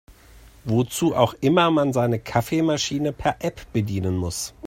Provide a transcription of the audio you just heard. Wozu auch immer man seine Kaffeemaschine per App bedienen muss.